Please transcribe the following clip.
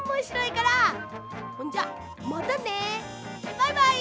バイバイ！